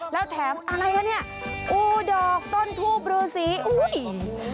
แล้วแถมอะไรคะเนี่ยอูดอกต้นทูบรูสีอุ้ย